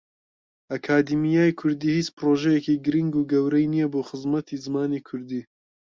ئەکادیمیای کوردی هیچ پرۆژەیەکی گرنگ و گەورەی نییە بۆ خزمەتی زمانی کوردی.